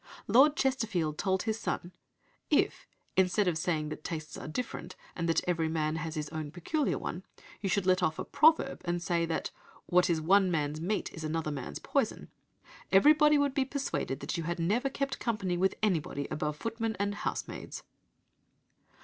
Lord Chesterfield told his son: "If, instead of saying that tastes are different, and that every man has his own peculiar one, you should let off a proverb, and say, that 'What is one man's meat is another man's poison.' ... everybody would be persuaded that you had never kept company with anybody above footmen and housemaids."